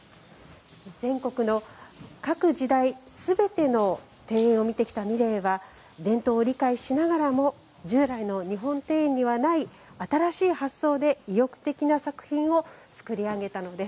全国の各時代全ての庭園を見てきた三玲は伝統を理解しながらも従来の日本庭園にはない新しい発想で意欲的な作品をつくり上げたのです。